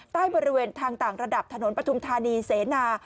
บริเวณทางต่างระดับถนนปฐุมธานีเสนา